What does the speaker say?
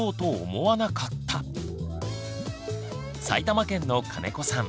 埼玉県の金子さん。